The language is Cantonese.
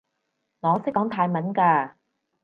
我識講泰文㗎